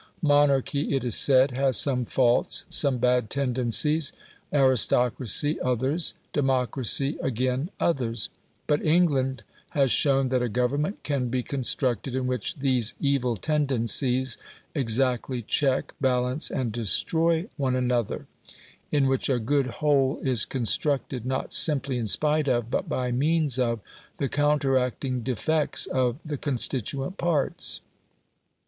Monarchy, it is said, has some faults, some bad tendencies, aristocracy others, democracy, again, others; but England has shown that a Government can be constructed in which these evil tendencies exactly check, balance, and destroy one another in which a good whole is constructed not simply in spite of, but by means of, the counteracting defects of the constituent parts.